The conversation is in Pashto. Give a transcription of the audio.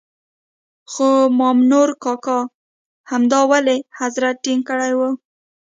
خو مامنور کاکا همدا ولي حضرت ټینګ کړی وو.